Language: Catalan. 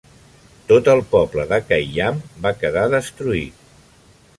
Tot el poble de Khayyam va quedar destruït.